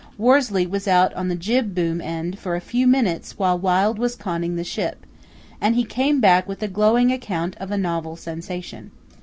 Worsley was out on the jib boom end for a few minutes while Wild was conning the ship, and he came back with a glowing account of a novel sensation.